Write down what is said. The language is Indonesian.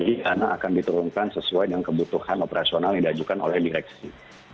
jadi karena akan diturunkan sesuai dengan kebutuhan operasional yang diajukan oleh direksi